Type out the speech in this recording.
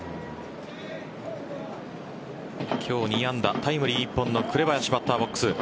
今日２安打タイムリー１本の紅林バッターボックス。